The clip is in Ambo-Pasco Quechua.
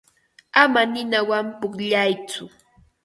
Ama ninawan pukllatsu.